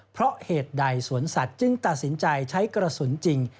เพราะเหตุใดสวนสัตว์จึงตัดสินใจใช้กระสุนจริง